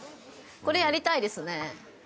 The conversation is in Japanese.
これやりたいですね。